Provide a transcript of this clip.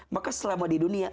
maka selama di dunia